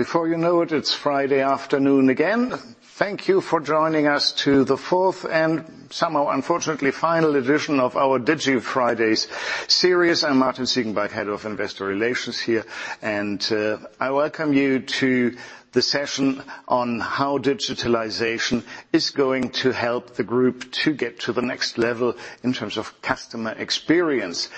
Before you know it's Friday afternoon again. Thank you for joining us to the fourth, and somehow, unfortunately, final edition of our Digi Fridays series. I'm Martin Ziegenbalg, Head of Investor Relations here. I welcome you to the session on how digitalization is going to help the group to get to the next level in terms of customer experience.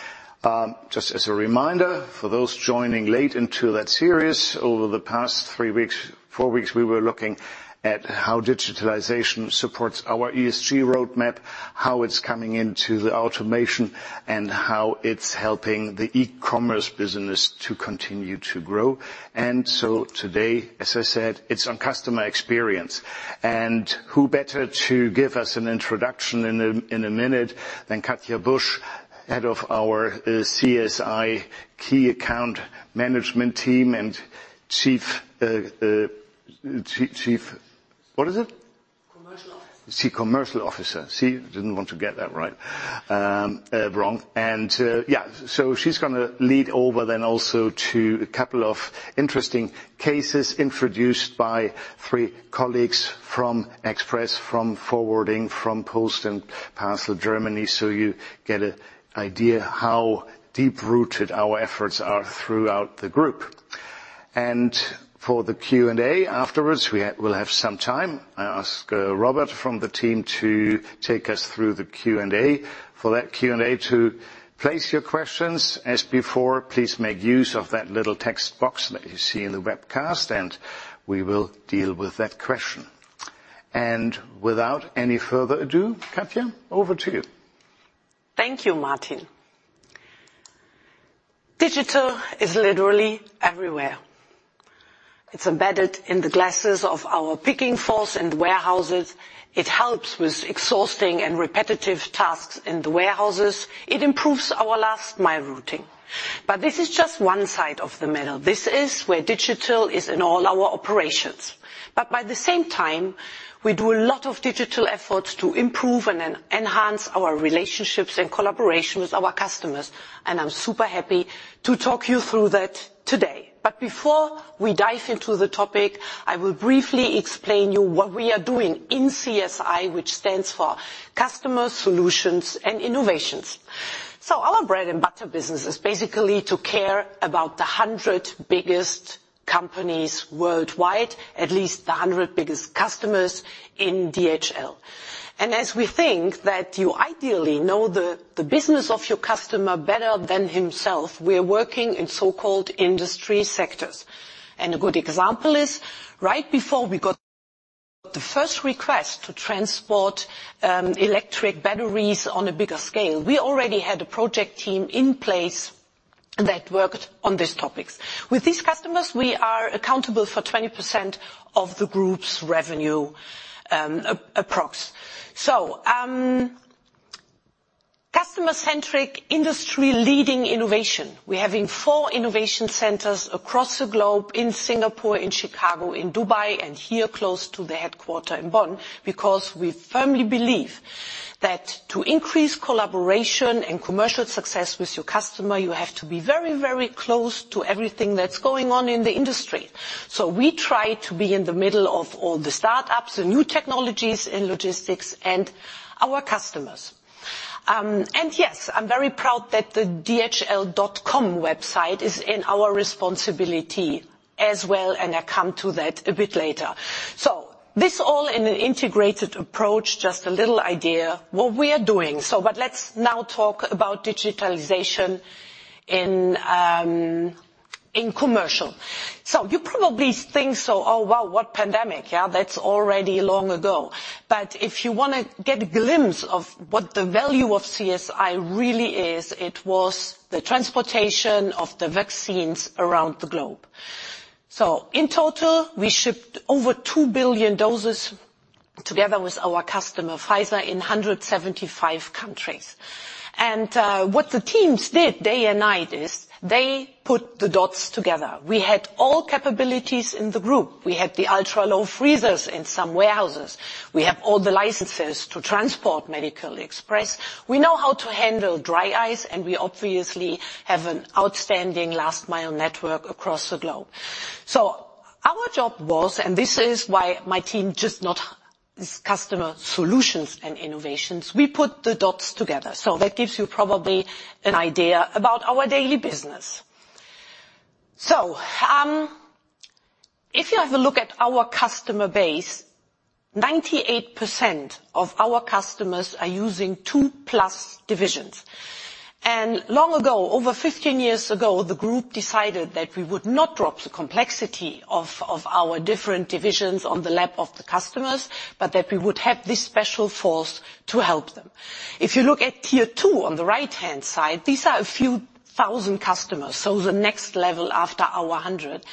Just as a reminder, for those joining late into that series, over the past three weeks, four weeks, we were looking at how digitalization supports our ESG roadmap, how it's coming into the automation, and how it's helping the e-commerce business to continue to grow. Today, as I said, it's on customer experience. Who better to give us an introduction in a minute than Katja Busch, Head of our CSI Key Account Management team, and Chief. What is it? Commercial Officer. Chief Commercial Officer. See, didn't want to get that right, wrong. She's gonna lead over then also to a couple of interesting cases introduced by three colleagues from Express, from Forwarding, from Post & Parcel Germany, so you get an idea how deep-rooted our efforts are throughout the group. For the Q&A afterwards, we'll have some time. I ask Robert from the team to take us through the Q&A. For that Q&A, to place your questions, as before, please make use of that little text box that you see in the webcast, and we will deal with that question. Without any further ado, Katja, over to you. Thank you, Martin. Digital is literally everywhere. It's embedded in the glasses of our picking floors and warehouses. It helps with exhausting and repetitive tasks in the warehouses. It improves our last mile routing. This is just one side of the medal. This is where digital is in all our operations. By the same time, we do a lot of digital efforts to improve and enhance our relationships and collaboration with our customers, and I'm super happy to talk you through that today. Before we dive into the topic, I will briefly explain you what we are doing in CSI, which stands for Customer Solutions & Innovations. Our bread and butter business is basically to care about the 100 biggest companies worldwide, at least the 100 biggest customers in DHL. As we think that you ideally know the business of your customer better than himself, we are working in so-called industry sectors. A good example is, right before we got the first request to transport electric batteries on a bigger scale, we already had a project team in place that worked on these topics. With these customers, we are accountable for 20% of the group's revenue, approx. Customer-centric, industry-leading innovation. We're having four innovation centers across the globe, in Singapore, in Chicago, in Dubai, and here, close to the headquarter in Bonn, because we firmly believe that to increase collaboration and commercial success with your customer, you have to be very, very close to everything that's going on in the industry. We try to be in the middle of all the start-ups and new technologies in logistics and our customers. Yes, I'm very proud that the dhl.com website is in our responsibility as well, and I come to that a bit later. This all in an integrated approach, just a little idea what we are doing. Let's now talk about digitalization in commercial. You probably think so, "Oh, wow, what pandemic?" Yeah, that's already long ago. If you wanna get a glimpse of what the value of CSI really is, it was the transportation of the vaccines around the globe. In total, we shipped over 2 billion doses together with our customer, Pfizer, in 175 countries. What the teams did day and night is, they put the dots together. We had all capabilities in the group. We had the ultra-low freezers in some warehouses. We have all the licenses to transport medical express. We know how to handle dry ice, and we obviously have an outstanding last mile network across the globe. Our job was, and this is why my team just not is Customer Solutions & Innovations, we put the dots together. That gives you probably an idea about our daily business. If you have a look at our customer base, 98% of our customers are using 2+ divisions. Long ago, over 15 years ago, the group decided that we would not drop the complexity of our different divisions on the lap of the customers, but that we would have this special force to help them. If you look at Tier 2 on the right-hand side, these are a few thousand customers, so the next level after our 100,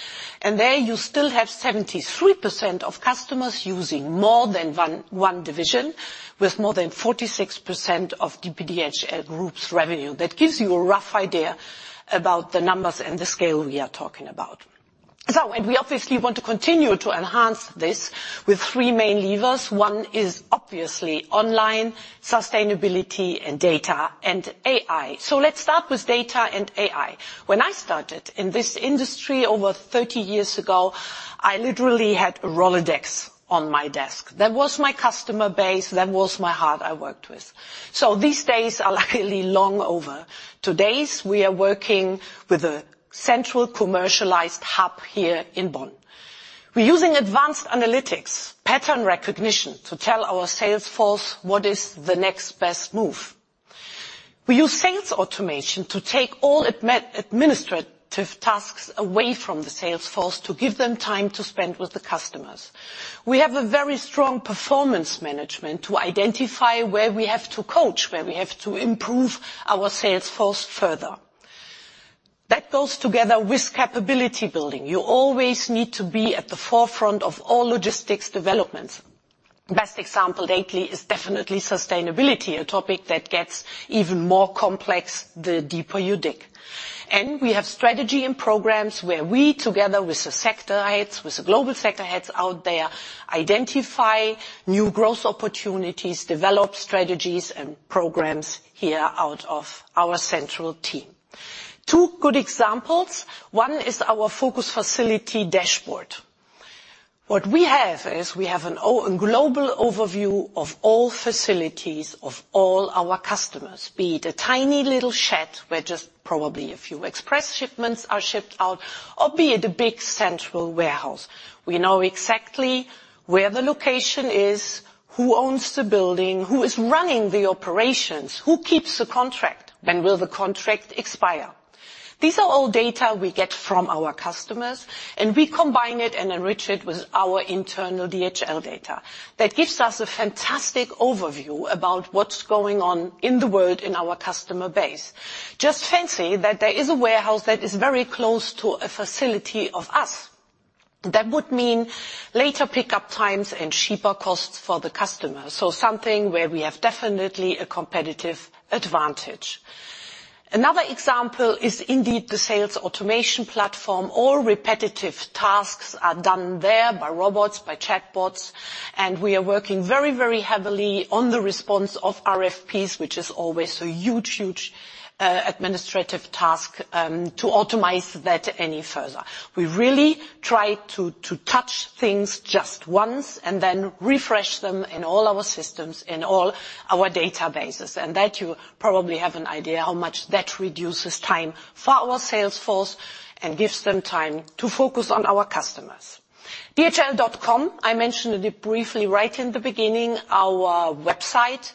and there you still have 73% of customers using more than one division, with more than 46% of DPDHL Group's revenue. That gives you a rough idea about the numbers and the scale we are talking about. We obviously want to continue to enhance this with 3 main levers. One is obviously online, sustainability, and data and AI. Let's start with data and AI. When I started in this industry over 30 years ago, I literally had a Rolodex on my desk. That was my customer base, that was my heart I worked with. These days are luckily long over. Today, we are working with a central commercialized hub here in Bonn. We're using advanced analytics, pattern recognition, to tell our sales force what is the next best move. We use sales automation to take all administrative tasks away from the sales force to give them time to spend with the customers. We have a very strong performance management to identify where we have to coach, where we have to improve our sales force further. That goes together with capability building. You always need to be at the forefront of all logistics developments. Best example lately is definitely sustainability, a topic that gets even more complex the deeper you dig. We have strategy and programs where we, together with the sector heads, with the global sector heads out there, identify new growth opportunities, develop strategies and programs here out of our central team. Two good examples. One is our Focus Facility dashboard. What we have is, we have a global overview of all facilities of all our customers, be it a tiny little shed where just probably a few express shipments are shipped out, or be it a big central warehouse. We know exactly where the location is, who owns the building, who is running the operations, who keeps the contract, when will the contract expire? These are all data we get from our customers. We combine it and enrich it with our internal DHL data. That gives us a fantastic overview about what's going on in the world in our customer base. Just fancy that there is a warehouse that is very close to a facility of us. That would mean later pickup times and cheaper costs for the customer, so something where we have definitely a competitive advantage. Another example is indeed the sales automation platform. All repetitive tasks are done there by robots, by chatbots. We are working very, very heavily on the response of RFPs, which is always a huge, huge administrative task to automate that any further. We really try to touch things just once and then refresh them in all our systems, in all our databases. That you probably have an idea how much that reduces time for our sales force and gives them time to focus on our customers. DHL.com, I mentioned it briefly right in the beginning, our website,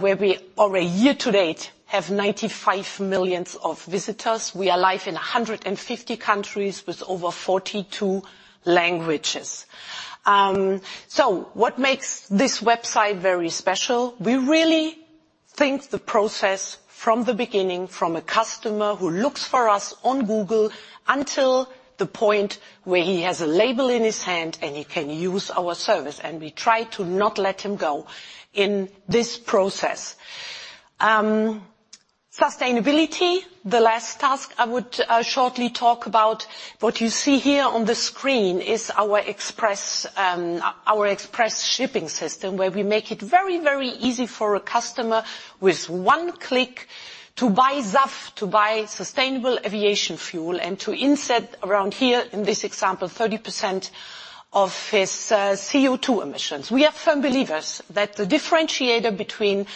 where we, over a year to date, have 95 million visitors. We are live in 150 countries with over 42 languages. What makes this website very special? We really think the process from the beginning, from a customer who looks for us on Google, until the point where he has a label in his hand, and he can use our service, and we try to not let him go in this process. Sustainability, the last task I would shortly talk about. What you see here on the screen is our express, our express shipping system, where we make it very, very easy for a customer with one click to buy SAF, to buy Sustainable Aviation Fuel, and to inset around here, in this example, 30% of his CO2 emissions. We are firm believers that the differentiator between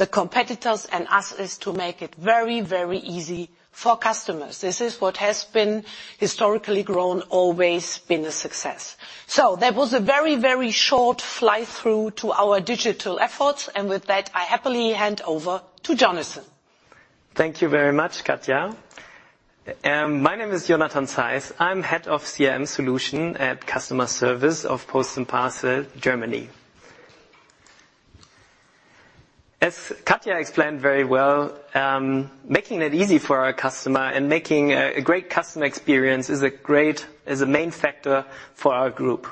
the competitors and us is to make it very, very easy for customers. This is what has been historically grown, always been a success. That was a very, very short fly-through to our digital efforts, and with that, I happily hand over to Jonathan. Thank you very much, Katja. My name is Jonathan Zeiss. I'm Head of CRM Solution at Customer Service of Post and Parcel Germany. As Katja explained very well, making it easy for our customer and making a great customer experience is a main factor for our group.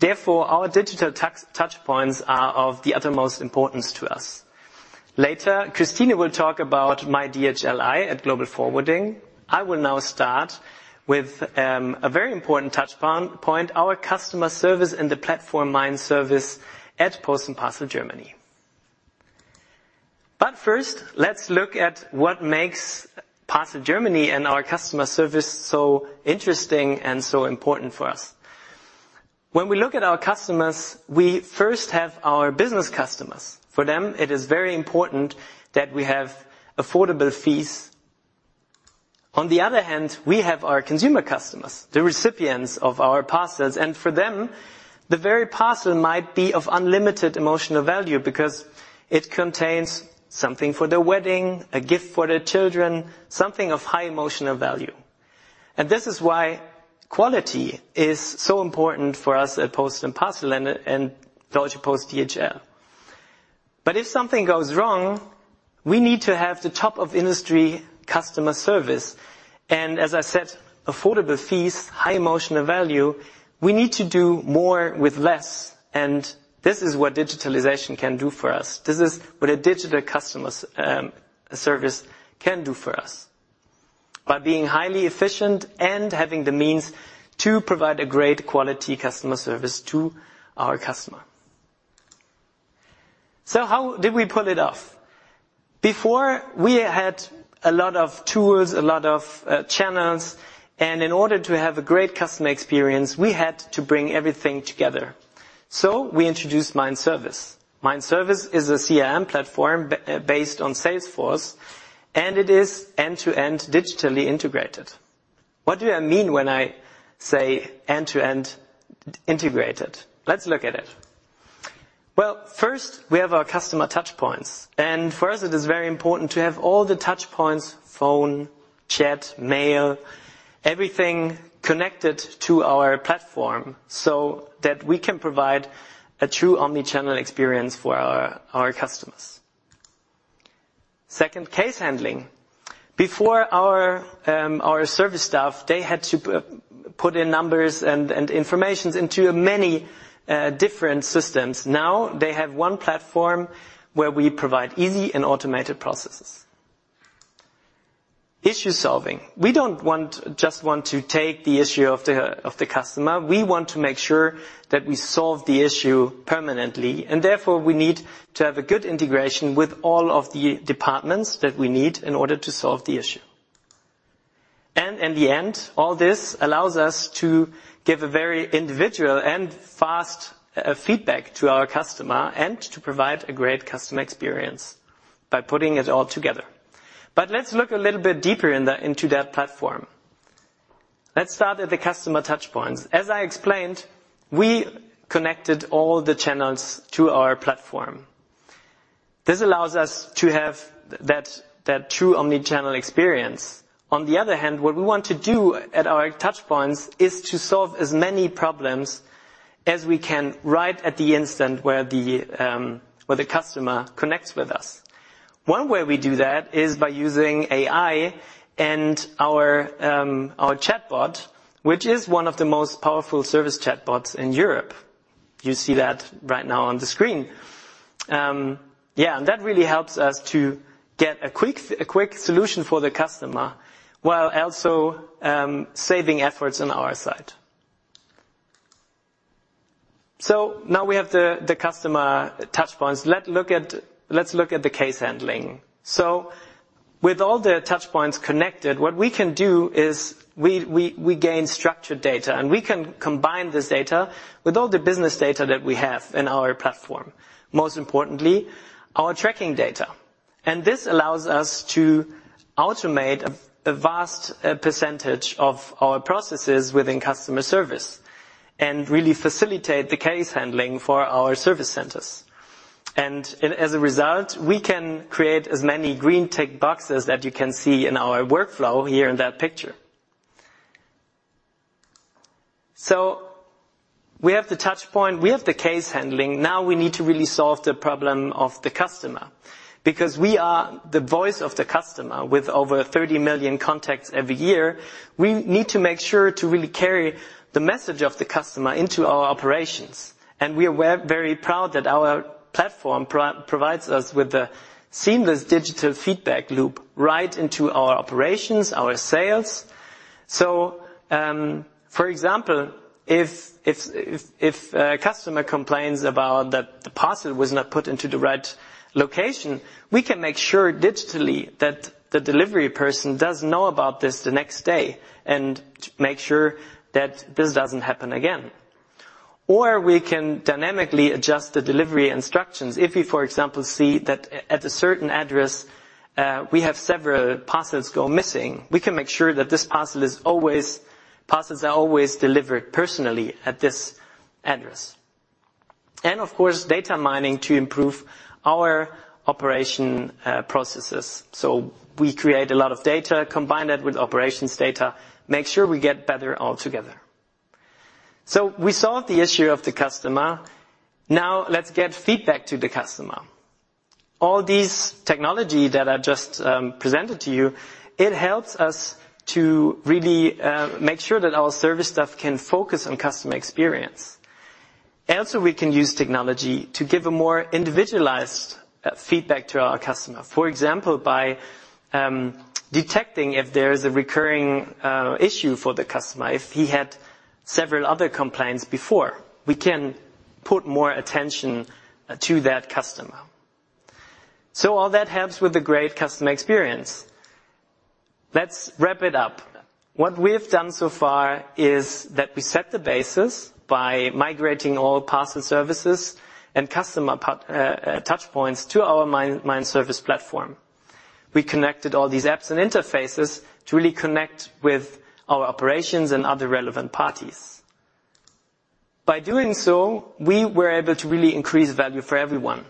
Therefore, our digital touch, touchpoints are of the utmost importance to us. Later, Christine will talk about myDHLi at Global Forwarding. I will now start with a very important point, our customer service and the platform, Mind Service at Post and Parcel Germany. First, let's look at what makes Parcel Germany and our customer service so interesting and so important for us. When we look at our customers, we first have our business customers. For them, it is very important that we have affordable fees. On the other hand, we have our consumer customers, the recipients of our parcels, and for them, the very parcel might be of unlimited emotional value because it contains something for their wedding, a gift for their children, something of high emotional value. This is why quality is so important for us at Post and Parcel and Deutsche Post DHL. If something goes wrong, we need to have the top of industry customer service, and as I said, affordable fees, high emotional value. We need to do more with less, and this is what digitalization can do for us. This is what a digital customer service can do for us. By being highly efficient and having the means to provide a great quality customer service to our customer. How did we pull it off? Before, we had a lot of tools, a lot of channels, and in order to have a great customer experience, we had to bring everything together. We introduced Mind Service. Mind Service is a CRM platform based on Salesforce. It is end-to-end digitally integrated. What do I mean when I say end-to-end integrated? Let's look at it. First, we have our customer touchpoints. For us, it is very important to have all the touchpoints, phone, chat, mail, everything connected to our platform, so that we can provide a true omni-channel experience for our customers. Second, case handling. Before our service staff, they had to put in numbers and information into many different systems. They have one platform where we provide easy and automated processes. Issue-solving. We don't just want to take the issue of the customer, we want to make sure that we solve the issue permanently, and therefore, we need to have a good integration with all of the departments that we need in order to solve the issue. In the end, all this allows us to give a very individual and fast feedback to our customer, and to provide a great customer experience by putting it all together. Let's look a little bit deeper into that platform. Let's start at the customer touchpoints. As I explained, we connected all the channels to our platform. This allows us to have that true omni-channel experience. On the other hand, what we want to do at our touchpoints is to solve as many problems as we can, right at the instant where the where the customer connects with us. One way we do that is by using AI and our our chatbot, which is one of the most powerful service chatbots in Europe. You see that right now on the screen. Yeah, and that really helps us to get a quick solution for the customer, while also saving efforts on our side. Now we have the customer touchpoints. Let's look at the case handling. With all the touchpoints connected, what we can do is we gain structured data, and we can combine this data with all the business data that we have in our platform, most importantly, our tracking data. This allows us to automate a vast percentage of our processes within customer service and really facilitate the case handling for our service centers. As a result, we can create as many green tick boxes that you can see in our workflow here in that picture. We have the touchpoint, we have the case handling. Now, we need to really solve the problem of the customer. We are the voice of the customer, with over 30 million contacts every year, we need to make sure to really carry the message of the customer into our operations. We are very proud that our platform provides us with a seamless digital feedback loop right into our operations, our sales. For example, if a customer complains about that the parcel was not put into the right location, we can make sure digitally, that the delivery person does know about this the next day, and make sure that this doesn't happen again. We can dynamically adjust the delivery instructions. If we, for example, see that at a certain address, we have several parcels go missing, we can make sure that parcels are always delivered personally at this address. Of course, data mining to improve our operation processes. We create a lot of data, combine that with operations data, make sure we get better altogether. We solved the issue of the customer. Now, let's get feedback to the customer. All these technology that I just presented to you, it helps us to really make sure that our service staff can focus on customer experience. Also, we can use technology to give a more individualized feedback to our customer. For example, by detecting if there is a recurring issue for the customer. If he had several other complaints before, we can put more attention to that customer. All that helps with the great customer experience. Let's wrap it up. What we have done so far is that we set the basis by migrating all parcel services and customer touchpoints to our Mind Service platform. We connected all these apps and interfaces to really connect with our operations and other relevant parties. By doing so, we were able to really increase value for everyone.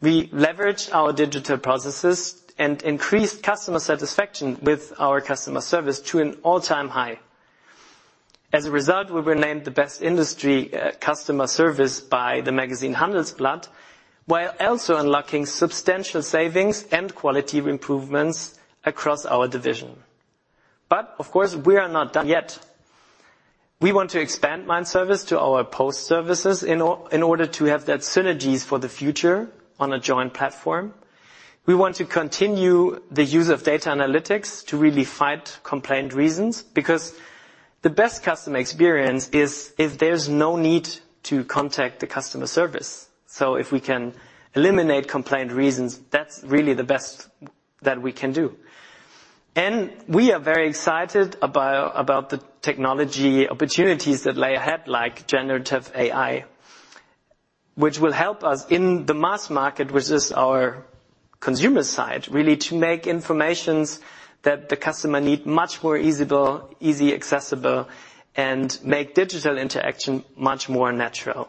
We leveraged our digital processes and increased customer satisfaction with our customer service to an all-time high. As a result, we were named the best industry customer service by the magazine Handelsblatt, while also unlocking substantial savings and quality improvements across our division. Of course, we are not done yet. We want to expand My Service to our Post services in order to have that synergies for the future on a joint platform. We want to continue the use of data analytics to really fight complaint reasons, because the best customer experience is if there's no need to contact the customer service. If we can eliminate complaint reasons, that's really the best that we can do. We are very excited about the technology opportunities that lie ahead, like generative AI, which will help us in the mass market, which is our consumer side, really, to make information that the customer need much more easily, easy accessible, and make digital interaction much more natural.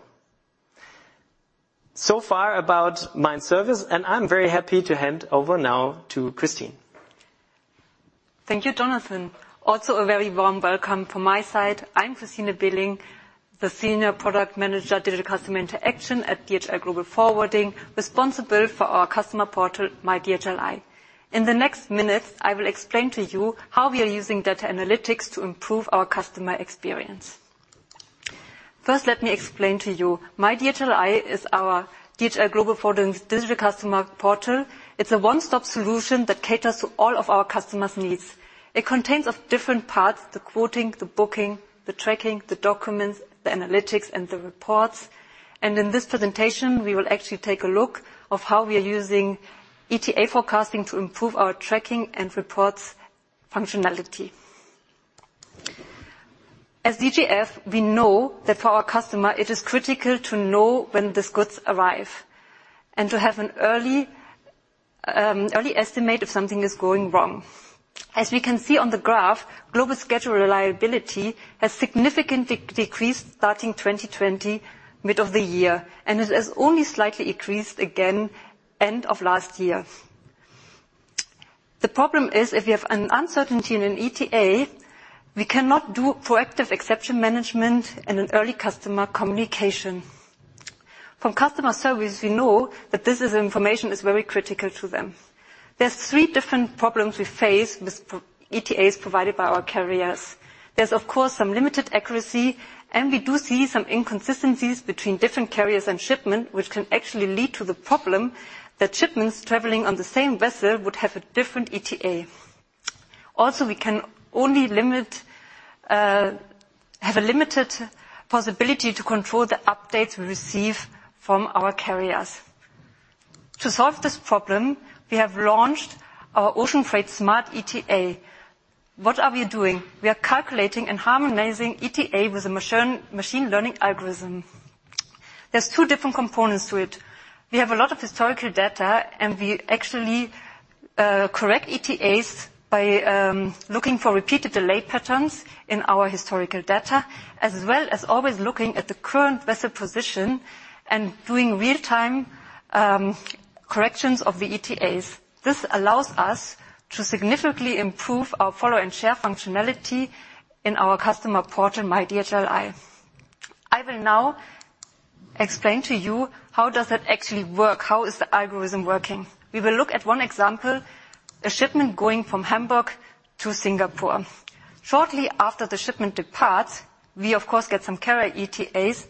So far about My Service. I'm very happy to hand over now to Christine. Thank you, Jonathan. A very warm welcome from my side. I'm Christine Behling, the Senior Product Manager, Digital Customer Interaction at DHL Global Forwarding, responsible for our customer portal, myDHLi. In the next minutes, I will explain to you how we are using data analytics to improve our customer experience. Let me explain to you, myDHLi is our DHL Global Forwarding's digital customer portal. It's a one-stop solution that caters to all of our customers' needs. It contains of different parts: the quoting, the booking, the tracking, the documents, the analytics, and the reports. In this presentation, we will actually take a look of how we are using ETA forecasting to improve our tracking and reports functionality. As DGF, we know that for our customer, it is critical to know when these goods arrive and to have an early early estimate if something is going wrong. We can see on the graph, global schedule reliability has significantly decreased starting 2020, mid of the year, and it has only slightly increased again end of last year. The problem is, if you have an uncertainty in an ETA, we cannot do proactive exception management and an early customer communication. From customer service, we know that this information is very critical to them. There are three different problems we face with ETAs provided by our carriers. There's, of course, some limited accuracy, and we do see some inconsistencies between different carriers and shipment, which can actually lead to the problem that shipments traveling on the same vessel would have a different ETA. We can only limit, have a limited possibility to control the updates we receive from our carriers. To solve this problem, we have launched our Ocean Freight Smart ETA. What are we doing? We are calculating and harmonizing ETA with a machine learning algorithm. There's two different components to it. We have a lot of historical data, and we actually correct ETAs by looking for repeated delay patterns in our historical data, as well as always looking at the current vessel position and doing real-time corrections of the ETAs. This allows us to significantly improve our follow and share functionality in our customer portal, myDHLi. I will now explain to you, how does it actually work? How is the algorithm working? We will look at one example, a shipment going from Hamburg to Singapore. Shortly after the shipment departs, we of course, get some carrier ETAs,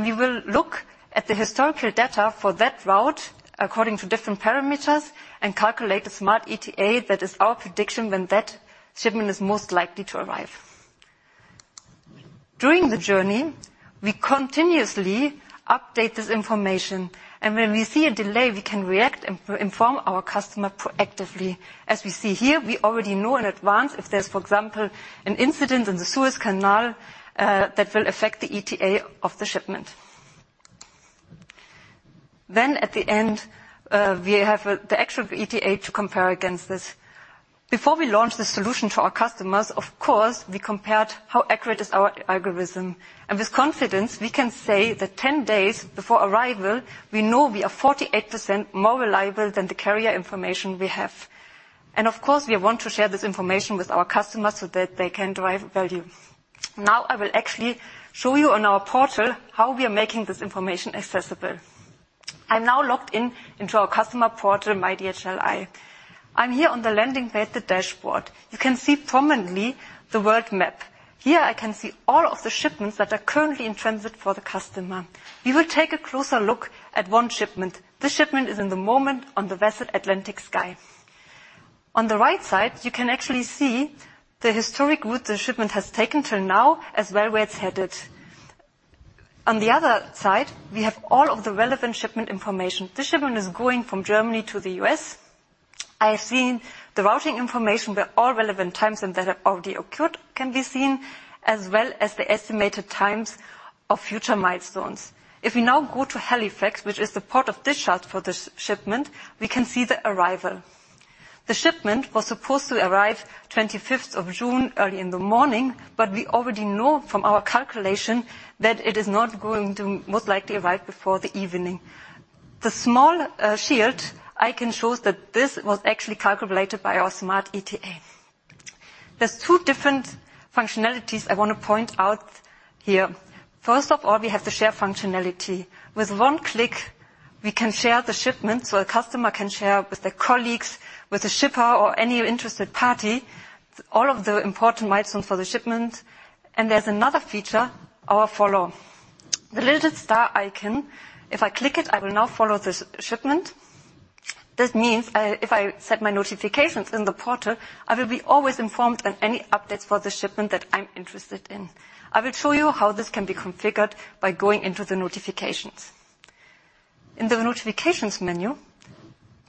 we will look at the historical data for that route according to different parameters, and calculate the Smart ETA. That is our prediction when that shipment is most likely to arrive. During the journey, we continuously update this information, when we see a delay, we can react and inform our customer proactively. As we see here, we already know in advance if there's, for example, an incident in the Suez Canal, that will affect the ETA of the shipment. At the end, we have the actual ETA to compare against this. Before we launched the solution to our customers, of course, we compared how accurate is our algorithm. With confidence, we can say that 10 days before arrival, we know we are 48% more reliable than the carrier information we have. Of course, we want to share this information with our customers so that they can derive value. Now, I will actually show you on our portal how we are making this information accessible. I'm now logged in into our customer portal, myDHLi. I'm here on the landing page, the dashboard. You can see prominently the world map. Here, I can see all of the shipments that are currently in transit for the customer. We will take a closer look at one shipment. This shipment is in the moment on the vessel, Atlantic Sky. On the right side, you can actually see the historic route the shipment has taken till now, as well as where it's headed. On the other side, we have all of the relevant shipment information. This shipment is going from Germany to the U.S.. I see the routing information, where all relevant times and that have already occurred can be seen, as well as the estimated times of future milestones. If we now go to Halifax, which is the port of this shot for this shipment, we can see the arrival. The shipment was supposed to arrive June 25th, early in the morning, but we already know from our calculation that it is not going to most likely arrive before the evening. The small shield icon shows that this was actually calculated by our Smart ETA. There's two different functionalities I want to point out here. First of all, we have the share functionality. With one click. We can share the shipment, a customer can share with their colleagues, with the shipper, or any interested party, all of the important milestones for the shipment. There's another feature, our follow. The little star icon, if I click it, I will now follow this shipment. This means, if I set my notifications in the portal, I will be always informed on any updates for the shipment that I'm interested in. I will show you how this can be configured by going into the notifications. In the Notifications menu,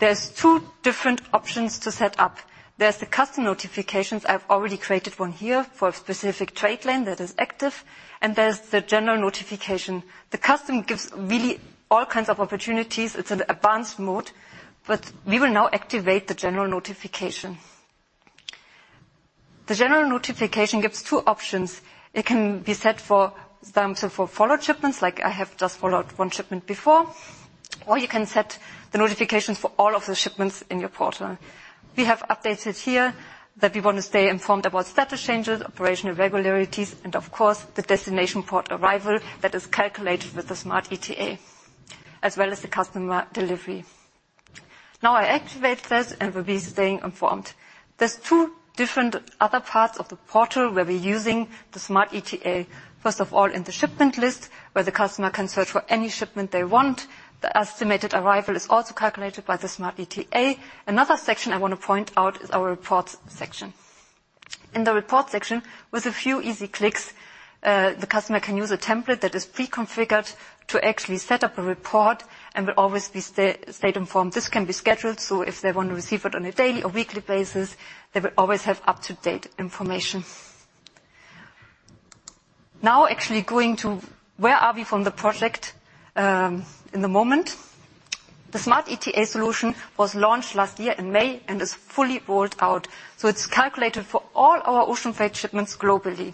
there's two different options to set up. There's the custom notifications. I've already created one here for a specific trade lane that is active, there's the general notification. The custom gives really all kinds of opportunities. It's an advanced mode, we will now activate the general notification. The general notification gives two options. It can be set for example, for follow shipments, like I have just followed one shipment before. You can set the notifications for all of the shipments in your portal. We have updated here that we want to stay informed about status changes, operational irregularities, and of course, the destination port arrival that is calculated with the Smart ETA, as well as the customer delivery. Now, I activate this and will be staying informed. There's 2 different other parts of the portal where we're using the Smart ETA. First of all, in the shipment list, where the customer can search for any shipment they want. The estimated arrival is also calculated by the Smart ETA. Another section I want to point out is our Reports section. In the Reports section, with a few easy clicks, the customer can use a template that is pre-configured to actually set up a report and will always be stay informed. This can be scheduled. If they want to receive it on a daily or weekly basis, they will always have up-to-date information. Actually going to where are we from the project in the moment? The Smart ETA solution was launched last year in May and is fully rolled out. It's calculated for all our ocean freight shipments globally.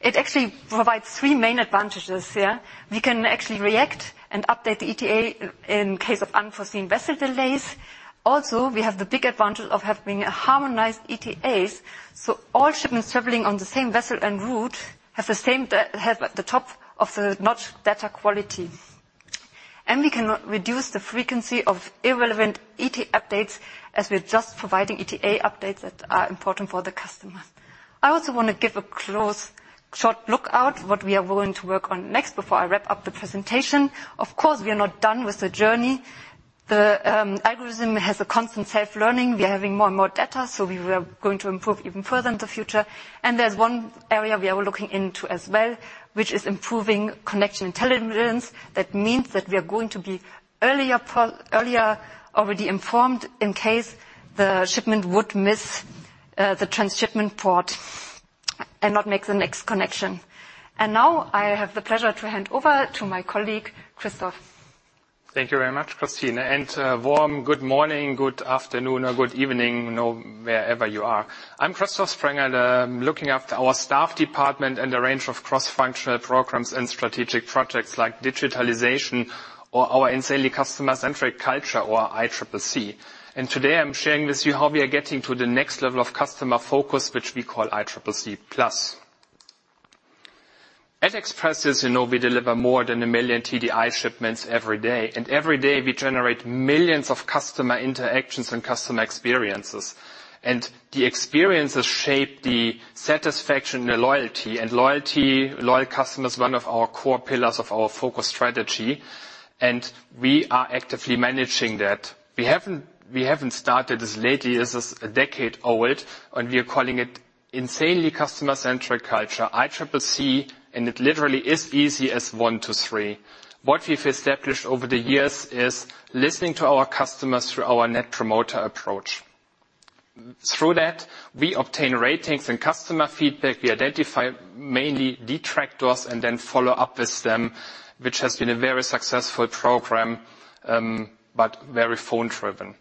It actually provides three main advantages here. We can actually react and update the ETA in case of unforeseen vessel delays. We have the big advantage of having harmonized ETAs. All shipments traveling on the same vessel and route have the same top of the notch data quality. We can reduce the frequency of irrelevant ETA updates, as we're just providing ETA updates that are important for the customer. I also want to give a close, short look out what we are going to work on next before I wrap up the presentation. Of course, we are not done with the journey. The algorithm has a constant self-learning. We are having more and more data, so we are going to improve even further in the future. There's one area we are looking into as well, which is improving connection intelligence. That means that we are going to be earlier already informed in case the shipment would miss the transshipment port and not make the next connection. Now I have the pleasure to hand over to my colleague, Christoph. Thank you very much, Christine, and a warm good morning, good afternoon, or good evening, wherever you are. I'm Christoph Sprenger, and I'm looking after our staff department and a range of cross-functional programs and strategic projects like digitalization or our Insanely Customer-Centric Culture, or ICCC. Today, I'm sharing with you how we are getting to the next level of customer focus, which we call ICCC Plus. At Express, as you know, we deliver more than 1 million TDI shipments every day. Every day, we generate millions of customer interactions and customer experiences. The experiences shape the satisfaction and loyalty, loyal customer is one of our core pillars of our focus strategy. We are actively managing that. We haven't started this lately, this is a decade old, and we are calling it Insanely Customer-Centric Culture, ICCC, and it literally is easy as 1 to 3. What we've established over the years is listening to our customers through our Net Promoter approach. Through that, we obtain ratings and customer feedback. We identify mainly detractors and then follow up with them, which has been a very successful program, but very phone-driven.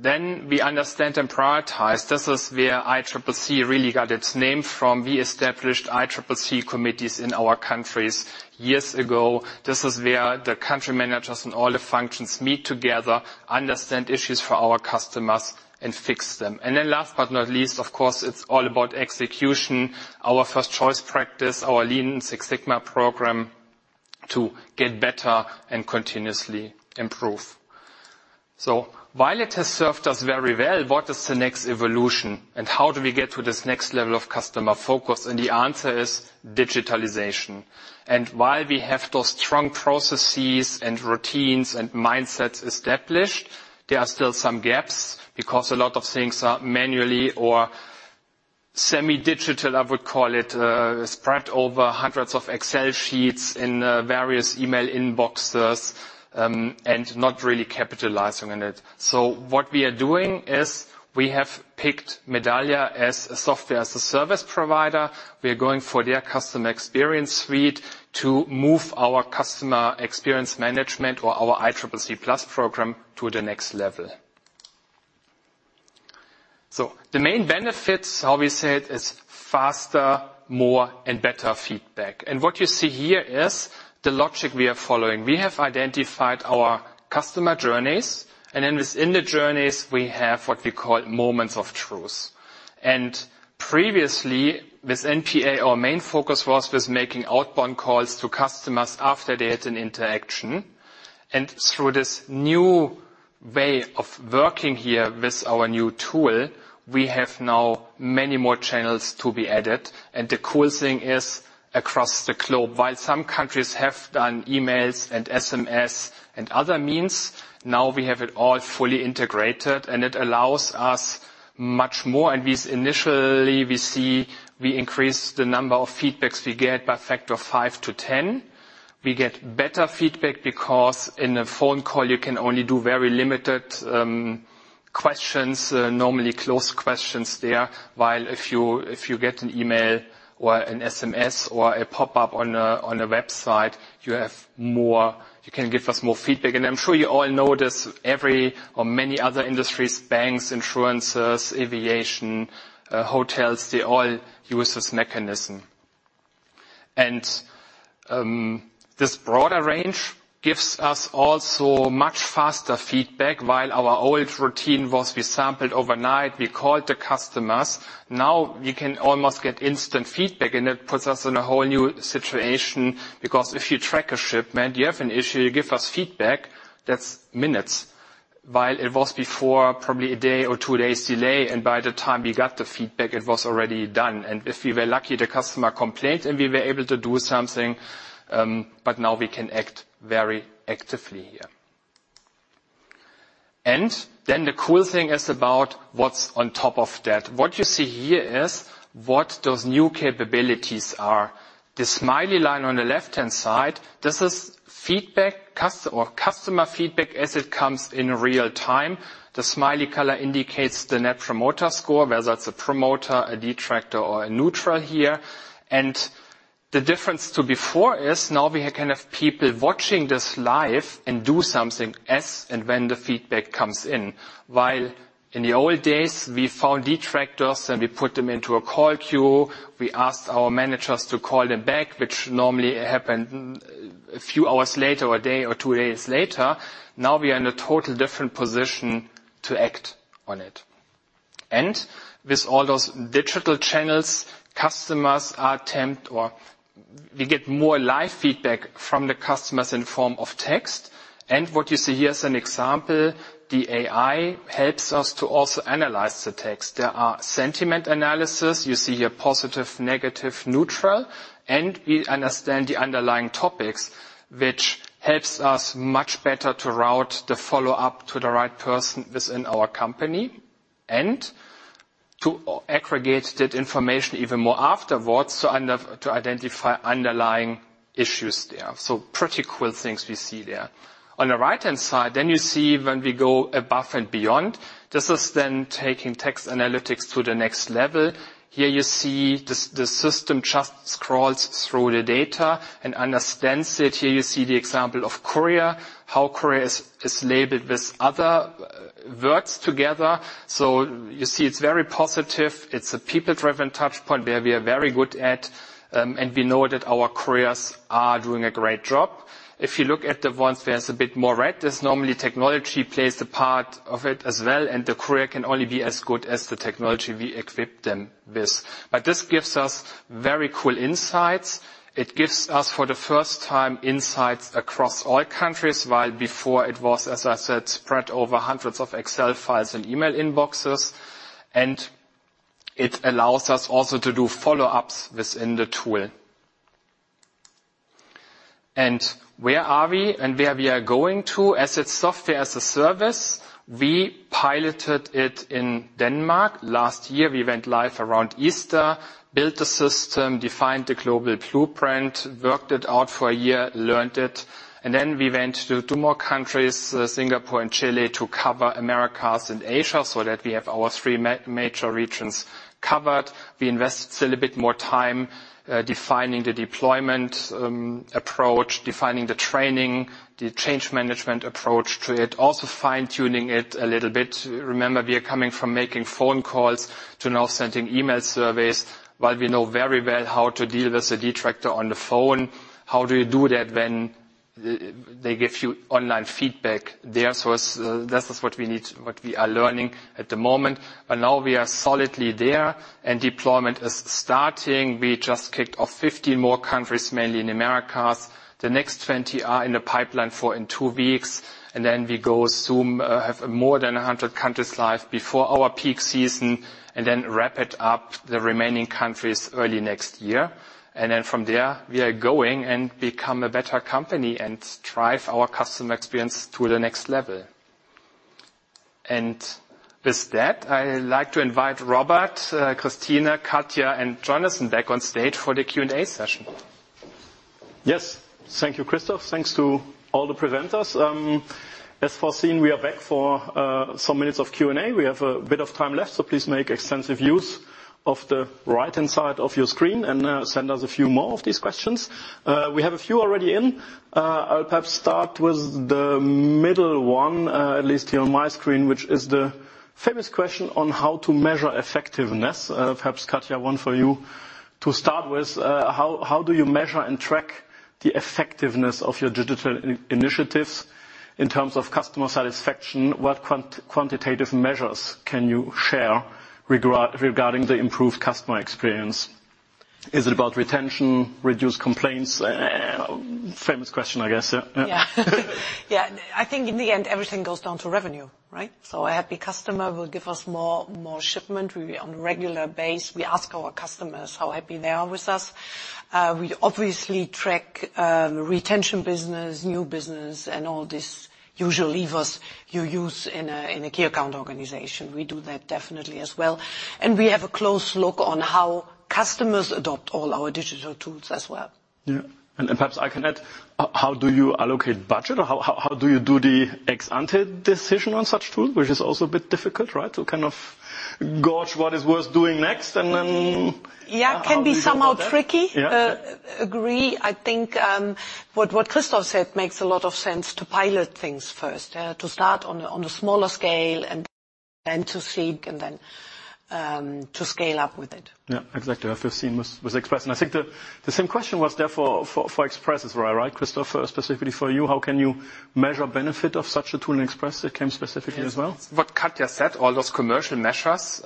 We understand and prioritize. This is where ICCC really got its name from. We established ICCC committees in our countries years ago. This is where the country managers and all the functions meet together, understand issues for our customers, and fix them. Last but not least, of course, it's all about execution, our First Choice practice, our Lean Six Sigma program, to get better and continuously improve. While it has served us very well, what is the next evolution, and how do we get to this next level of customer focus? The answer is digitalization. While we have those strong processes, and routines, and mindsets established, there are still some gaps because a lot of things are manually or semi-digital, I would call it, spread over hundreds of Excel sheets in various email inboxes, and not really capitalizing on it. What we are doing is we have picked Medallia as a software as a service provider. We are going for their Customer Experience Suite to move our customer experience management or our ICCC Plus program to the next level. The main benefits, how we say it, is faster, more, and better feedback. What you see here is the logic we are following. We have identified our customer journeys, and then within the journeys, we have what we call moments of truth. Previously, with NPA, our main focus was with making outbound calls to customers after they had an interaction. Through this new way of working here with our new tool, we have now many more channels to be added. The cool thing is, across the globe, while some countries have done emails and SMS and other means, now we have it all fully integrated, and it allows us much more. We, initially, we see we increase the number of feedbacks we get by a factor of 5 to 10. We get better feedback, because in a phone call, you can only do very limited questions, normally closed questions there. While if you get an email or an SMS or a pop-up on a website, you can give us more feedback. I'm sure you all know this, every or many other industries, banks, insurances, aviation, hotels, they all use this mechanism. This broader range gives us also much faster feedback. While our old routine was we sampled overnight, we called the customers. Now we can almost get instant feedback, and it puts us in a whole new situation, because if you track a shipment, you have an issue, you give us feedback, that's minutes. While it was before, probably a 1 day or 2 days delay, and by the time we got the feedback, it was already done. If we were lucky, the customer complained, and we were able to do something, but now we can act very actively here. The cool thing is about what's on top of that. What you see here is what those new capabilities are. The smiley line on the left-hand side, this is feedback, customer feedback as it comes in real time. The smiley color indicates the Net Promoter Score, whether it's a promoter, a detractor, or a neutral here. The difference to before is now we can have people watching this live and do something as, and when the feedback comes in. While in the old days, we found detractors, and we put them into a call queue, we asked our managers to call them back, which normally happened a few hours later or a day or two days later. Now we are in a total different position to act on it. With all those digital channels, customers are or we get more live feedback from the customers in form of text. What you see here as an example, the AI helps us to also analyze the text. There are sentiment analysis. You see here, positive, negative, neutral, and we understand the underlying topics, which helps us much better to route the follow-up to the right person within our company, and to aggregate that information even more afterwards, to identify underlying issues there. Pretty cool things we see there. On the right-hand side, you see when we go above and beyond, this is then taking text analytics to the next level. You see the system just scrolls through the data and understands it. Here you see the example of courier, how courier is labeled with other words together. You see it's very positive. It's a people-driven touch point where we are very good at, and we know that our couriers are doing a great job. If you look at the ones where it's a bit more red, it's normally technology plays the part of it as well, and the courier can only be as good as the technology we equip them with. This gives us very cool insights. It gives us, for the first time, insights across all countries, while before it was, as I said, spread over hundreds of Excel files and email inboxes, and it allows us also to do follow-ups within the tool. Where are we and where we are going to? As a Software as a Service, we piloted it in Denmark. Last year, we went live around Easter, built the system, defined the global blueprint, worked it out for a year, learned it, and then we went to 2 more countries, Singapore and Chile, to cover Americas and Asia, so that we have our 3 major regions covered. We invest still a bit more time, defining the deployment approach, defining the training, the change management approach to it, also fine-tuning it a little bit. Remember, we are coming from making phone calls to now sending email surveys. While we know very well how to deal with a detractor on the phone, how do you do that when they give you online feedback there? This is what we need, what we are learning at the moment. Now we are solidly there and deployment is starting. We just kicked off 15 more countries, mainly in Americas. The next 20 are in the pipeline for in 2 weeks, then we go soon, have more than 100 countries live before our peak season and then wrap it up, the remaining countries, early next year. From there, we are going and become a better company and drive our customer experience to the next level. With that, I'd like to invite Robert, Christine, Katja, and Jonathan back on stage for the Q&A session. Yes. Thank you, Christoph. Thanks to all the presenters. As foreseen, we are back for some minutes of Q&A. We have a bit of time left, so please make extensive use of the right-hand side of your screen, and send us a few more of these questions. We have a few already in. I'll perhaps start with the middle one, at least here on my screen, which is the famous question on how to measure effectiveness. Perhaps, Katja, one for you. To start with, how do you measure and track the effectiveness of your digital initiatives? In terms of customer satisfaction, what quantitative measures can you share regarding the improved customer experience? Is it about retention, reduced complaints? Famous question, I guess, yeah. Yeah. Yeah, I think in the end, everything goes down to revenue, right? A happy customer will give us more shipment. We, on a regular basis, we ask our customers how happy they are with us. We obviously track retention business, new business, and all these usual levers you use in a key account organization. We do that definitely as well, and we have a close look on how customers adopt all our digital tools as well. Yeah. Perhaps I can add, how do you allocate budget? Or how do you do the ex ante decision on such tool, which is also a bit difficult, right? To kind of gauge what is worth doing next, and then... Yeah, can be somewhat tricky. Yeah. Agree. I think, what Christoph said makes a lot of sense: to pilot things first, to start on a smaller scale, and to see, and then, to scale up with it. Yeah, exactly, as we've seen with Express. I think the same question was there for Express, as well, right, Christoph? Specifically for you, how can you measure benefit of such a tool in Express? It came specifically as well. Yes. What Katja said, all those commercial measures.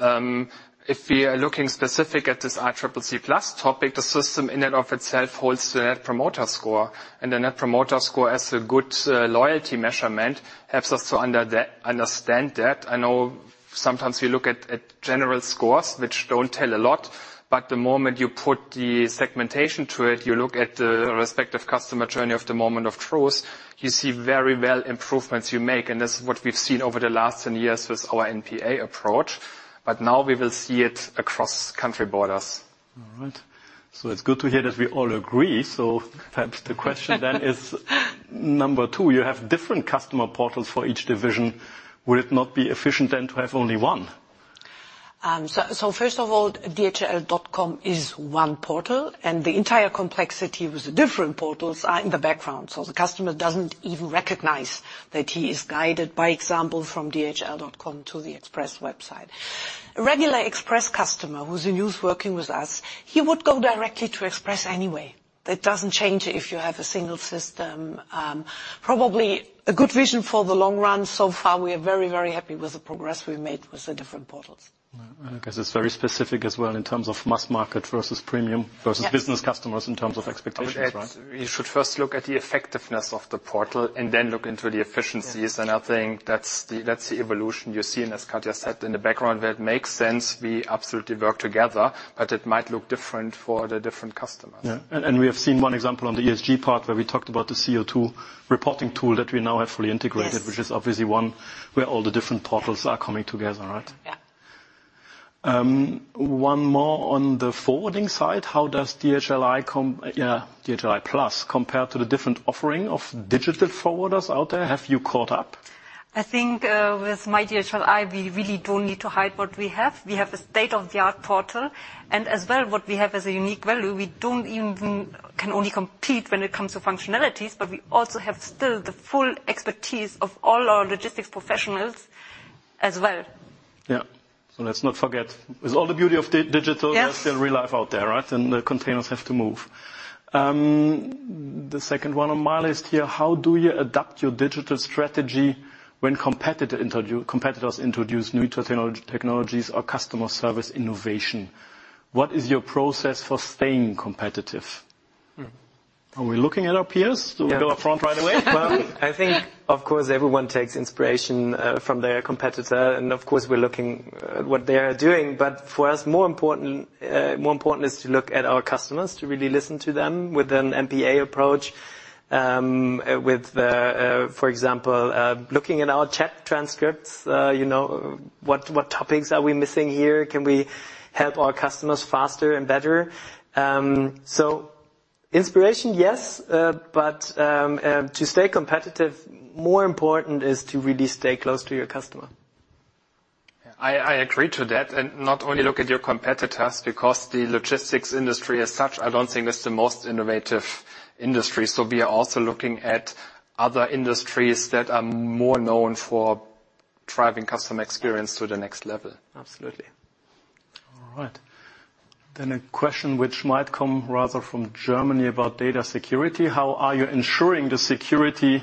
If we are looking specific at this ICCC Plus topic, the system in and of itself holds the Net Promoter Score, and the Net Promoter Score as a good loyalty measurement helps us to understand that. I know sometimes we look at general scores, which don't tell a lot, but the moment you put the segmentation to it, you look at the respective customer journey of the moment of truth, you see very well improvements you make, and this is what we've seen over the last 10 years with our NPA approach, but now we will see it across country borders. All right. It's good to hear that we all agree. Perhaps the question then is number 2: You have different customer portals for each division. Would it not be efficient then to have only one? First of all, dhl.com is one portal, and the entire complexity with the different portals are in the background. The customer doesn't even recognize that he is guided, by example, from dhl.com to the Express website. A regular Express customer who's used working with us, he would go directly to Express anyway. That doesn't change if you have a single system. Probably a good vision for the long run. So far, we are very, very happy with the progress we've made with the different portals. I guess it's very specific as well in terms of mass market versus premium- Yes versus business customers in terms of expectations, right? You should first look at the effectiveness of the portal and then look into the efficiencies, I think that's the, that's the evolution you're seeing, as Katja said, in the background. That makes sense. We absolutely work together, it might look different for the different customers. Yeah. We have seen one example on the ESG part, where we talked about the CO2 reporting tool that we now have fully integrated. Yes Which is obviously one where all the different portals are coming together, right? Yeah. One more on the forwarding side: How does myDHLi Plus compare to the different offering of digital forwarders out there? Have you caught up? I think, with myDHLi, we really don't need to hide what we have. We have a state-of-the-art portal, and as well, what we have as a unique value, we can only compete when it comes to functionalities, but we also have still the full expertise of all our logistics professionals as well. Yeah. let's not forget, with all the beauty of digital Yes... there's still real life out there, right? The containers have to move. The second one on my list here: How do you adapt your digital strategy when competitors introduce new technologies or customer service innovation? What is your process for staying competitive? Mm. Are we looking at our peers? Yeah. Do we go up front right away? Well, I think, of course, everyone takes inspiration from their competitor, of course, we're looking at what they are doing. For us, more important is to look at our customers, to really listen to them with an NPA approach, with, for example, looking at our chat transcripts, you know, what topics are we missing here? Can we help our customers faster and better? Inspiration, yes, to stay competitive, more important is to really stay close to your customer. Yeah. I agree to that. Not only look at your competitors, because the logistics industry as such, I don't think it's the most innovative industry. We are also looking at other industries that are more known for driving customer experience to the next level. Absolutely. All right. A question which might come rather from Germany about data security: How are you ensuring the security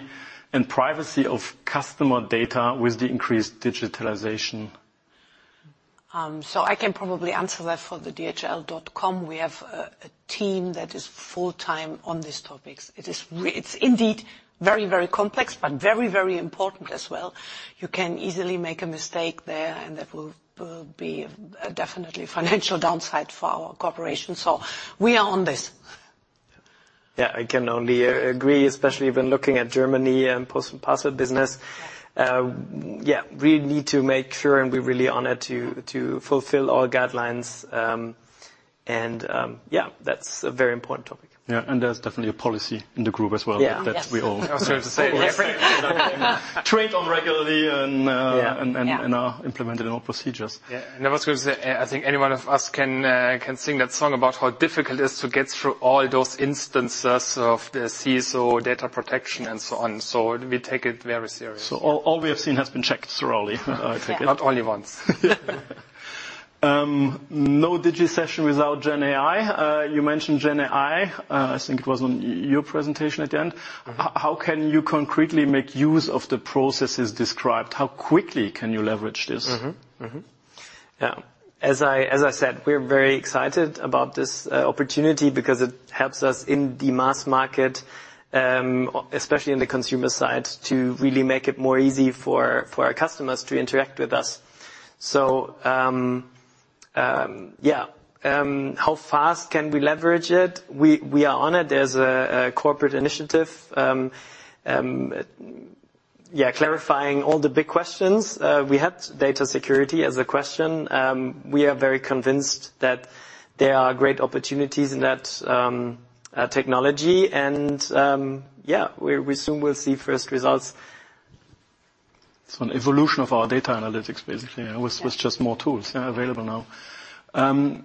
and privacy of customer data with the increased digitalization? I can probably answer that for the dhl.com. We have a team that is full time on these topics. It's indeed very, very complex, but very, very important as well. You can easily make a mistake there, and that will be a definitely financial downside for our corporation, so we are on this. Yeah, I can only agree, especially when looking at Germany and post and parcel business. Yeah, we need to make sure, and we're really honored to fulfill all guidelines. Yeah, that's a very important topic. Yeah, there's definitely a policy in the group as well. Yeah. Yes that we. trained on regularly and. Yeah. Yeah.... and are implemented in our procedures. Yeah, I was going to say, I think any one of us can sing that song about how difficult it is to get through all those instances of the CSO, data protection, and so on. We take it very seriously. All we have seen has been checked thoroughly, I take it? Yeah. Not only once. No Digi session without Gen AI. You mentioned Gen AI, I think it was on your presentation at the end. Mm-hmm. How can you concretely make use of the processes described? How quickly can you leverage this? Yeah. As I said, we're very excited about this opportunity because it helps us in the mass market, especially in the consumer side, to really make it more easy for our customers to interact with us. How fast can we leverage it? We are on it. There's a corporate initiative. Yeah, clarifying all the big questions. We had data security as a question. We are very convinced that there are great opportunities in that technology and yeah, we soon will see first results. An evolution of our data analytics, basically. Yeah... with just more tools, yeah, available now.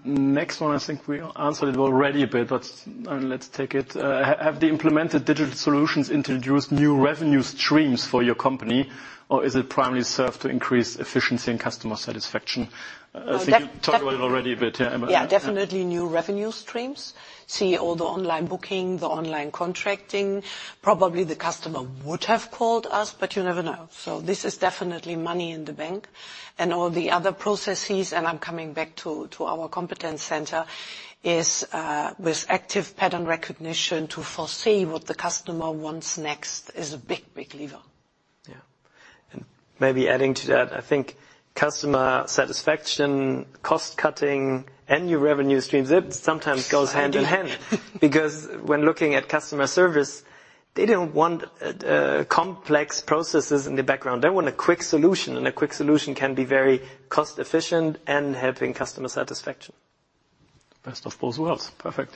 Next one, I think we answered it already a bit, but let's take it. Have the implemented digital solutions introduced new revenue streams for your company, or is it primarily served to increase efficiency and customer satisfaction? So that- I think you talked about it already a bit, yeah, Emma. Yeah, definitely new revenue streams. See, all the online booking, the online contracting. Probably the customer would have called us, but you never know. This is definitely money in the bank. All the other processes, and I'm coming back to our competence center, is with active pattern recognition to foresee what the customer wants next is a big lever. Yeah. Maybe adding to that, I think customer satisfaction, cost cutting, and new revenue streams, it sometimes goes hand in hand. When looking at customer service, they don't want complex processes in the background. They want a quick solution, and a quick solution can be very cost efficient and helping customer satisfaction. Best of both worlds. Perfect.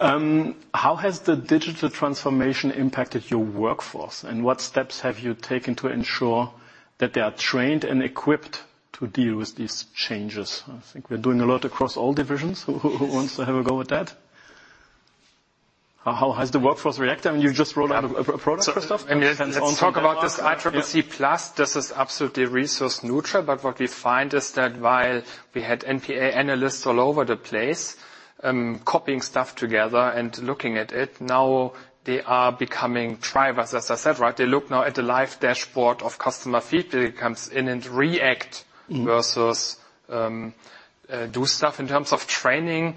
How has the digital transformation impacted your workforce, and what steps have you taken to ensure that they are trained and equipped to deal with these changes? I think we're doing a lot across all divisions. Who wants to have a go at that? How has the workforce reacted? I mean, you just rolled out a product, Christoph. I mean, let's talk about this CCC Plus. This is absolutely resource neutral, but what we find is that while we had NPA analysts all over the place, copying stuff together and looking at it, now they are becoming drivers, as I said, right? They look now at the live dashboard of customer feedback that comes in and. Mm... versus, do stuff. In terms of training,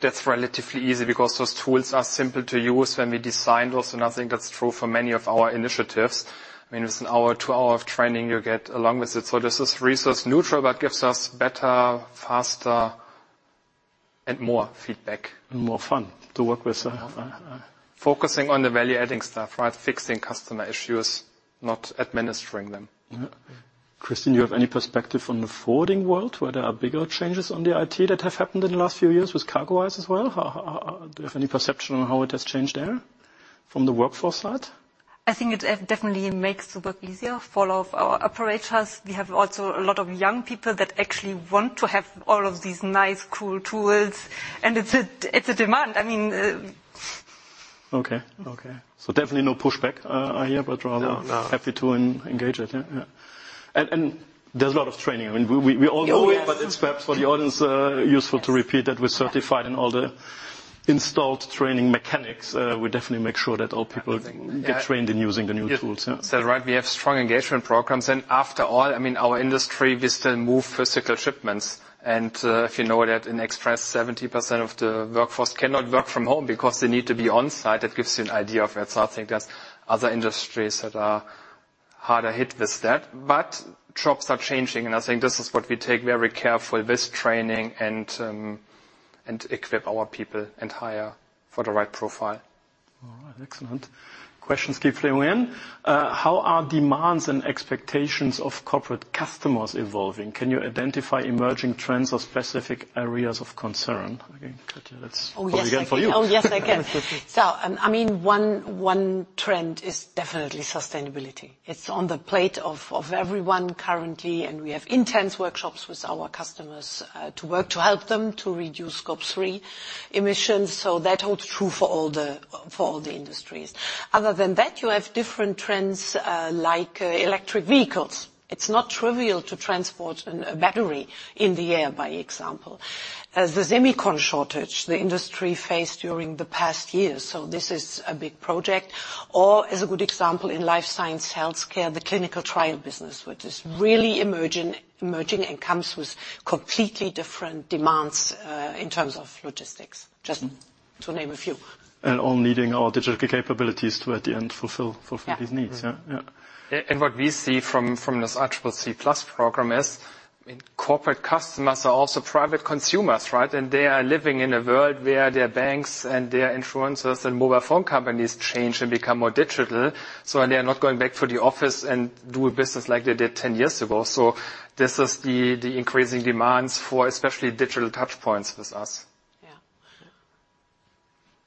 that's relatively easy because those tools are simple to use when we designed those, and I think that's true for many of our initiatives. I mean, it's an hour to hour of training you get along with it. This is resource neutral, but gives us better, faster, and more feedback. more fun to work with. Focusing on the value-adding stuff, right? Fixing customer issues, not administering them. Yeah. Christine, you have any perspective on the forwarding world, where there are bigger changes on the IT that have happened in the last few years with CargoWise as well? How do you have any perception on how it has changed there from the workforce side? I think it definitely makes the work easier for all of our operators. We have also a lot of young people that actually want to have all of these nice, cool tools, and it's a demand. I mean. Okay. Okay. Definitely no pushback, I hear. No. Happy to engage it. Yeah, yeah. There's a lot of training. I mean, we all know it- Oh, yes.... but it's perhaps for the audience, useful to repeat that we're certified in all the installed training mechanics. We definitely make sure that all people- Everything... get trained in using the new tools. Yeah. Right, we have strong engagement programs. After all, I mean, our industry, we still move physical shipments. If you know that in express, 70% of the workforce cannot work from home because they need to be on site. That gives you an idea of it. I think there's other industries that are harder hit with that. Jobs are changing, and I think this is what we take very careful, this training and equip our people and hire for the right profile. All right. Excellent. Questions keep flowing in. How are demands and expectations of corporate customers evolving? Can you identify emerging trends or specific areas of concern? Again, Katja, that's- Oh, yes.... probably again for you. Oh, yes, I can. I mean, one trend is definitely sustainability. It's on the plate of everyone currently, and we have intense workshops with our customers to work to help them to reduce scope 3 emissions. That holds true for all the industries. Other than that, you have different trends, like electric vehicles. It's not trivial to transport a battery in the air, by example. As the semicon shortage, the industry faced during the past years, this is a big project. As a good example, in life science, healthcare, the clinical trial business, which is really emerging and comes with completely different demands in terms of logistics. Mm... just to name a few. All needing our digital capabilities to, at the end, fulfill. Yeah... these needs. Yeah. Yeah. Yeah. What we see from this CCC Plus program is, I mean, corporate customers are also private consumers, right? They are living in a world where their banks and their influencers and mobile phone companies change and become more digital. They are not going back to the office and do a business like they did 10 years ago. This is the increasing demands for especially digital touchpoints with us.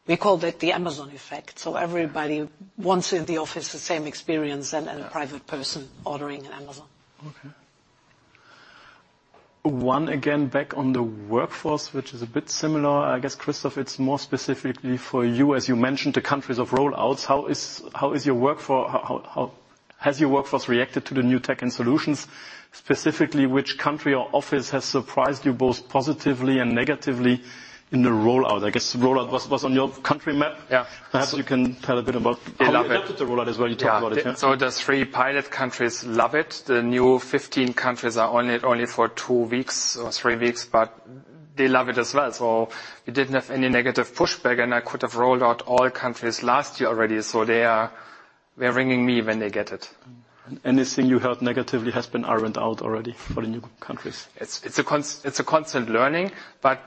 Yeah. We call that the Amazon effect. Yeah. Everybody wants in the office the same experience. Yeah... a private person ordering in Amazon. Okay. One again, back on the workforce, which is a bit similar. I guess, Christoph, it's more specifically for you. As you mentioned, the countries of rollouts, how is your workforce reacted to the new tech and solutions? Specifically, which country or office has surprised you both positively and negatively in the rollout? I guess rollout was on your country map. Yeah. Perhaps you can tell a bit about. I love it. How you adapted the rollout as well, you talked about it, yeah? The three pilot countries love it. The new 15 countries are only for two weeks or three weeks, but they love it as well. We didn't have any negative pushback, and I could have rolled out all countries last year already, so they're ringing me when they get it. Anything you heard negatively has been ironed out already for the new countries? It's a constant learning.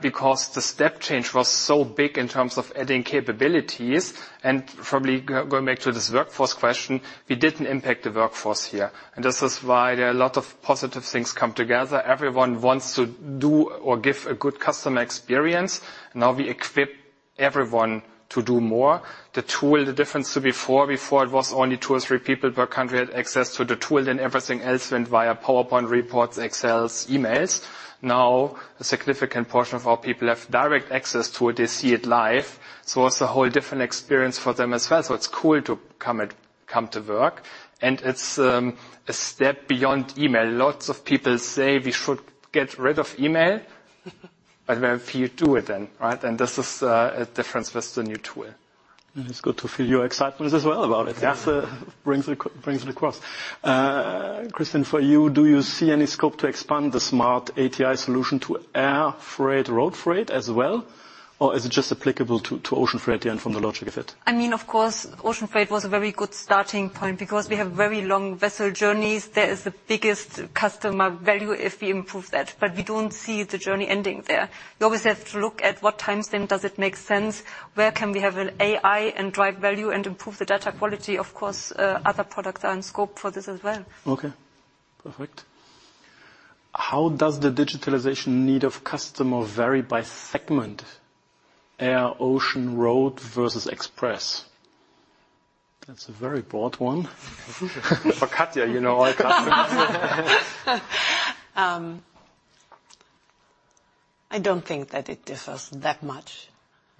Because the step change was so big in terms of adding capabilities, and probably going back to this workforce question, we didn't impact the workforce here. This is why there are a lot of positive things come together. Everyone wants to do or give a good customer experience. Now we equip everyone to do more. The tool, the difference to before it was only 2 or 3 people per country had access to the tool, then everything else went via PowerPoint reports, Excels, emails. Now, a significant portion of our people have direct access to it. They see it live, so it's a whole different experience for them as well. It's cool to come to work, and it's a step beyond email. Lots of people say we should get rid of email, but very few do it then, right? This is a difference with the new tool. It's good to feel your excitement as well about it. Yeah. That brings it across. Christine, for you, do you see any scope to expand the Smart ATI solution to air, freight, road freight as well? Or is it just applicable to ocean freight, yeah, and from the logic of it? I mean, of course, ocean freight was a very good starting point because we have very long vessel journeys. There is the biggest customer value if we improve that, but we don't see the journey ending there. You always have to look at what time zone does it make sense? Where can we have an AI and drive value and improve the data quality? Of course, other products are in scope for this as well. Okay, perfect. How does the digitalization need of customer vary by segment? Air, ocean, road versus Express. That's a very broad one. For Katja, you know, I come to you. I don't think that it differs that much.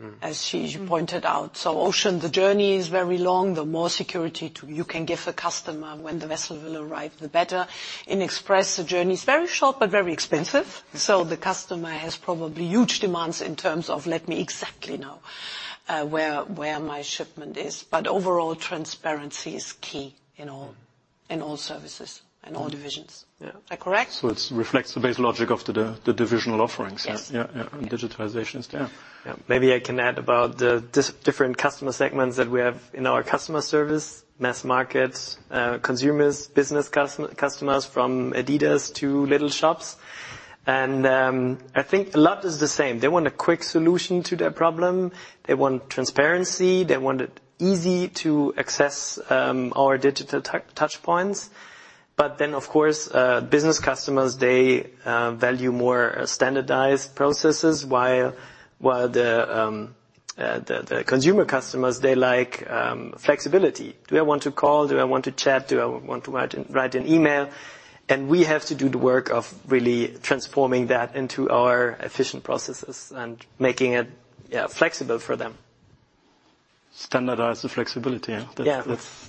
Mm. As she pointed out. Ocean, the journey is very long. The more security you can give a customer when the vessel will arrive, the better. In Express, the journey is very short, but very expensive, so the customer has probably huge demands in terms of, "Let me exactly know where my shipment is." Overall, transparency is key in all services and all divisions. Yeah. Am I correct? It reflects the base logic of the divisional offerings. Yes. Yeah, yeah, digitalization is there. Yeah. Maybe I can add about the different customer segments that we have in our customer service. Mass markets, consumers, business customers, from adidas to little shops, and I think a lot is the same. They want a quick solution to their problem, they want transparency, they want it easy to access, our digital touchpoints. Of course, business customers, they value more standardized processes, while the consumer customers, they like flexibility. Do I want to call? Do I want to chat? Do I want to write an email? We have to do the work of really transforming that into our efficient processes and making it, yeah, flexible for them. Standardize the flexibility, yeah? Yeah. That's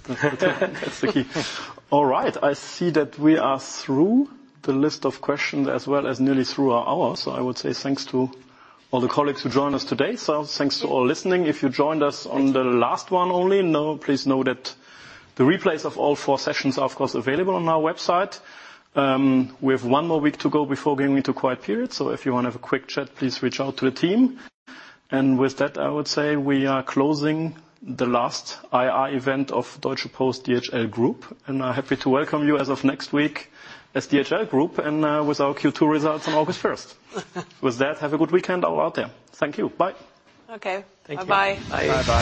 the key. All right, I see that we are through the list of questions as well as nearly through our hour. I would say thanks to all the colleagues who joined us today. Thanks to all listening. If you joined us on the last one only, now, please know that the replays of all four sessions are, of course, available on our website. We have one more week to go before going into quiet period, so if you want to have a quick chat, please reach out to the team. With that, I would say we are closing the last IR event of Deutsche Post DHL Group, and I'm happy to welcome you as of next week as DHL Group, and with our Q2 results on August 1st. With that, have a good weekend all out there. Thank you. Bye. Okay. Thank you. Bye-bye. Bye. Bye-bye.